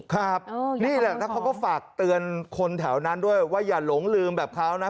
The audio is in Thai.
ครับนี่แหละแล้วเขาก็ฝากเตือนคนแถวนั้นด้วยว่าอย่าหลงลืมแบบเขานะ